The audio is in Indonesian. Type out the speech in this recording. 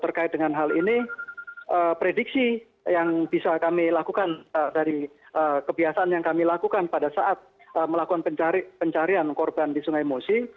terkait dengan hal ini prediksi yang bisa kami lakukan dari kebiasaan yang kami lakukan pada saat melakukan pencarian korban di sungai musi